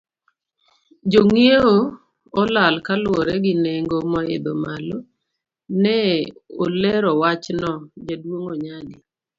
Jongiewo olal kaluwore gi nengo moidho malo, ne olero wachno, jaduong Onyadi.